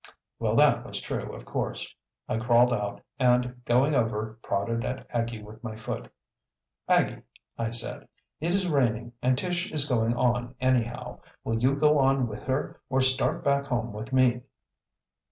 Well, that was true, of course. I crawled out and, going over, prodded at Aggie with my foot. "Aggie," I said, "it is raining and Tish is going on anyhow. Will you go on with her or start back home with me?"